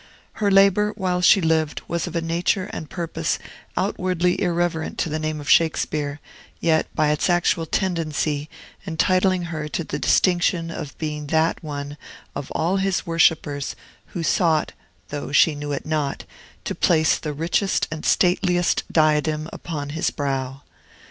Her labor, while she lived, was of a nature and purpose outwardly irreverent to the name of Shakespeare, yet, by its actual tendency, entitling her to the distinction of being that one of all his worshippers who sought, though she knew it not, to place the richest and stateliest diadem upon his brow.